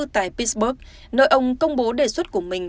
tại pitberg nơi ông công bố đề xuất của mình